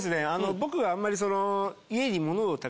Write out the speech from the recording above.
僕があんまり。